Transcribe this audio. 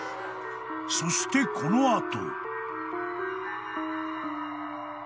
［そしてこの後］